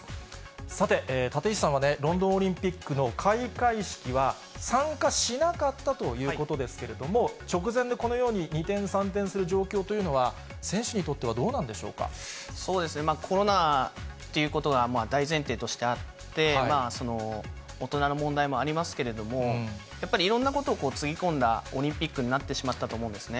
さて、立石さんはロンドンオリンピックの開会式は、参加しなかったということですけれども、直前でこのように二転三転するという状況というのは、選手にとっコロナということが大前提としてあって、大人の問題もありますけれども、やっぱり、いろんなことをつぎ込んだオリンピックになってしまったと思うんですね。